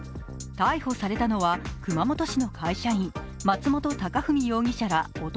逮捕されたのは熊本市の会社員松本貴史容疑者ら男